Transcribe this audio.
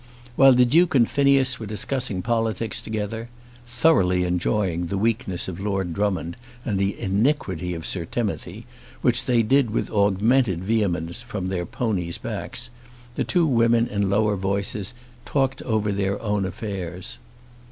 While the Duke and Phineas were discussing politics together thoroughly enjoying the weakness of Lord Drummond and the iniquity of Sir Timothy which they did with augmented vehemence from their ponies' backs, the two women in lower voices talked over their own affairs.